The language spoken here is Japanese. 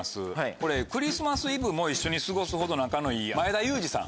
これクリスマスイブも一緒に過ごすほど仲のいい前田裕二さん